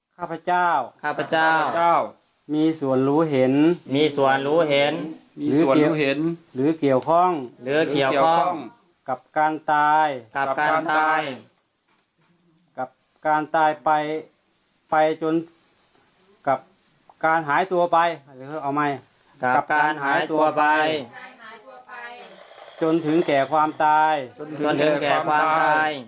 ข้าพเจ้ามีส่วนรู้เห็นหรือเกี่ยวข้องกับการตายจนถึงแก่ความตาย